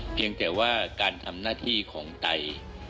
เพียงแต่ว่าการทำหน้าที่ของไต